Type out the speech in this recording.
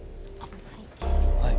はい。